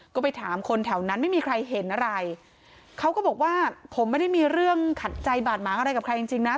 ก็ไปถามคนแถวนั้นไม่มีใครเห็นอะไรเขาก็บอกว่าผมไม่ได้มีเรื่องขัดใจบาดหมางอะไรกับใครจริงจริงนะ